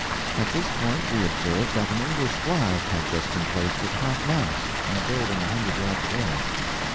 At this point we observed that an English flag had just been placed at half mast on a building a hundred yards away.